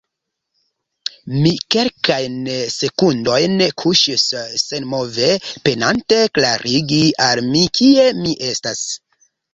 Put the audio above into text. Mi kelkajn sekundojn kuŝis senmove, penante klarigi al mi, kie mi estas.